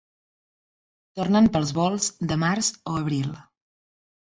Tornen pels volts de març o abril.